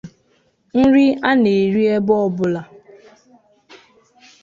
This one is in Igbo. nri a na-eri ebe ọbụla